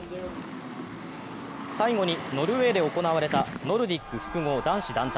最後に、ノルウェーで行われたノルディック複合男子団体。